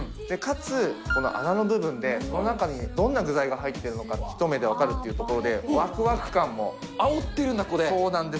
かつ、穴の部分で、その中にどんな具材が入ってるのか一目で分かるっていうところであおってるんだ、これ。